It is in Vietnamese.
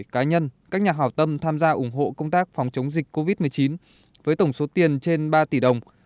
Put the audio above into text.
cá nhân các nhà hào tâm tham gia ủng hộ công tác phòng chống dịch covid một mươi chín với tổng số tiền trên ba tỷ đồng